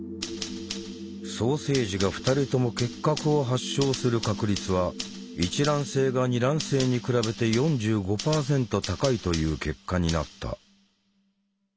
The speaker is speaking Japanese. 双生児が２人とも結核を発症する確率は一卵性が二卵性に比べて４５％高いという結果になった。